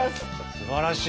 すばらしい！